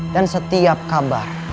dan setiap kabar